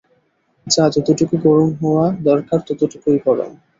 চা যতটুকু গরম হওয়া দরকার ততটুকুই গরম।